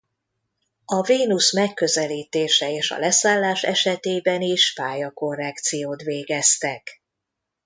A Vénusz megközelítése és a leszállás esetében is pályakorrekciót végeztek.